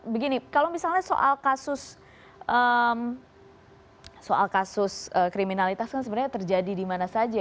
begini kalau misalnya soal kasus soal kasus kriminalitas kan sebenarnya terjadi di mana saja